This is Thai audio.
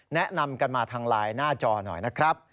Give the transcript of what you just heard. แนะนำกันมาทางไลน์หน้าจอหน่อยนะครับ